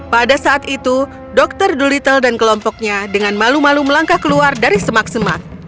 pada saat itu dokter dolittle dan kelompoknya dengan malu malu melangkah keluar dari semak semak